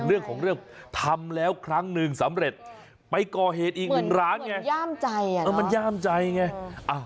เรื่องของเรื่องทำแล้วครั้งนึงสำเร็จไปก่อเหตุอีก๑หลานไงเหมือนย่ามใจอ่ะนะ